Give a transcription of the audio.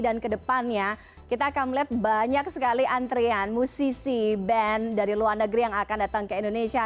dan kedepannya kita akan melihat banyak sekali antrian musisi band dari luar negeri yang akan datang ke indonesia